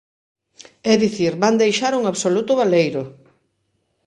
É dicir, van deixar un absoluto baleiro!